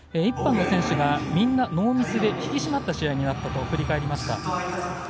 １班の選手がみんなノーミスで引き締まった試合になったと振り返りました。